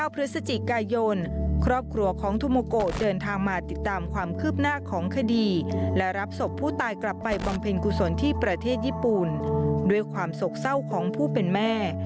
พฤศจิกายนครอบครัวของทุโมโกเดินทางมาติดตามความคืบหน้าของคดีและรับศพผู้ตายกลับไปบำเพ็ญกุศลที่ประเทศญี่ปุ่นด้วยความโศกเศร้าของผู้เป็นแม่